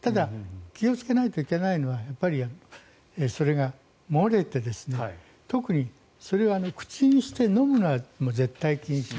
気をつけないといけないのはそれが漏れて特に、それを口にして飲むのは絶対に禁止。